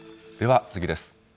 では次です。